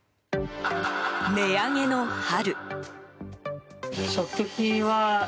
値上げの春。